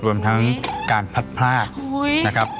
รวมทั้งการพัดพลากนะครับ